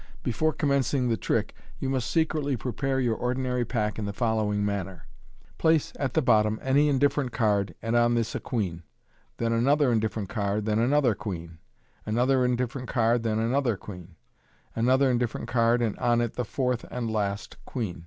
Before commencing the trick, you must secretly prepare your ordinary pack in the following manner: — Place at the bottom any indifferent card, and on this a queen j then another indifferent card, then another queen ; another indifferent card, then another queen j another indifferent card, and on it the fourth and last queen.